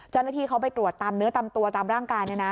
เจ้าหน้าที่เขาไปตรวจตามเนื้อตามตัวตามร่างกาย